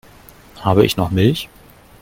Habe ich noch Milch?